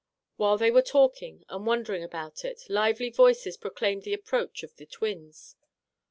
While they were talking and wondering about it, lively voices proclaimed the approach of the twins.